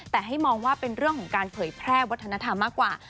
แต่ให้มองว่าเป็นเรื่องของการเผยแพร่วัฒนธรรมมากกว่า